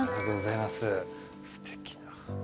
すてきな。